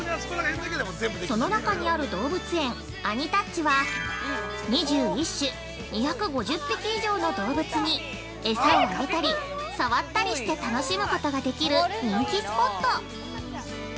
その中にある動物園アニタッチは、２１種２５０匹以上の動物に、餌をあげたり、さわったりして楽しむことができる人気スポット。